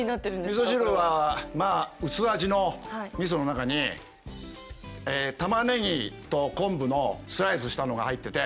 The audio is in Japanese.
みそ汁はまあ薄味のみその中に玉ねぎとこんぶのスライスしたのが入ってて。